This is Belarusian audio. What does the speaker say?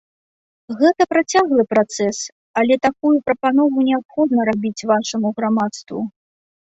Гэта працяглы працэс, але такую прапанову неабходна рабіць вашаму грамадству.